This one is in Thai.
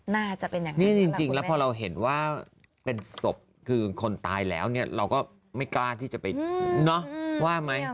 นี่จริงแล้วพอเราเห็นว่าเป็นศพคือคนตายแล้วเนี่ยเราก็ไม่กล้าที่จะไปเนาะว่าไหม